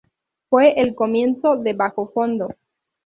Fue el comienzo de "Bajofondo".